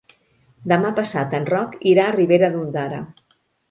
Demà passat en Roc irà a Ribera d'Ondara.